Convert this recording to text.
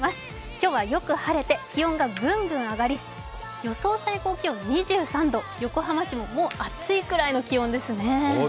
今日はよく晴れて、気温がグングン上がり、予想最高気温２３度、横浜市ももう暑いぐらいの気温ですね。